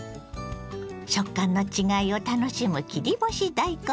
食感の違いを楽しむ切り干し大根。